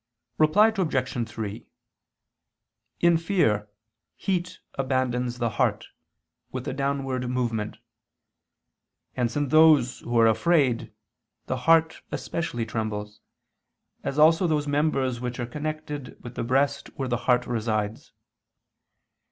Reply Obj. 3: In fear, heat abandons the heart, with a downward movement: hence in those who are afraid the heart especially trembles, as also those members which are connected with the breast where the heart resides.